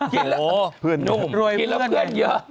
กินแล้วเพื่อนเยอะ